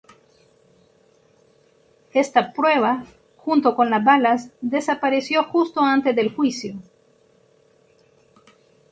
Esta prueba, junto con las balas, desapareció justo antes del juicio.